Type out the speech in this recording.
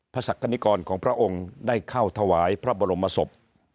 ศักดิกรของพระองค์ได้เข้าถวายพระบรมศพ